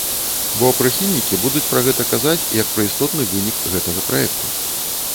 Бо прыхільнікі будуць пра гэта казаць, як пра істотны вынік гэтага праекту.